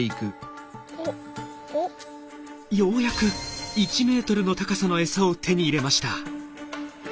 ようやく１ｍの高さのエサを手に入れました。